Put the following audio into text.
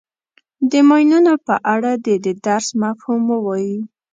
د ماینونو په اړه دې د درس مفهوم ووایي.